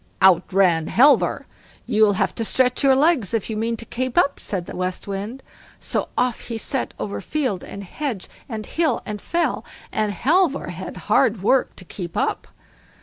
Out ran Halvor. "You'll have to stretch your legs if you mean to keep up", said the West Wind. So off he set over field and hedge, and hill and fell, and Halvor had hard work to keep up.